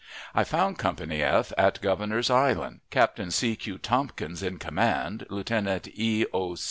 I found Company F at Governor's Island, Captain C. Q. Tompkins in command, Lieutenant E. O.